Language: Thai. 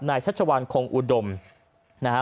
นายชัชวัลคงอุดมนะฮะ